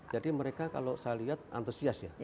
jadi mereka kalau saya lihat antusias ya